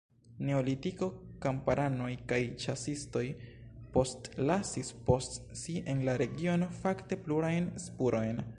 Neolitiko kamparanoj kaj ĉasistoj postlasis post si en la regiono fakte plurajn spurojn.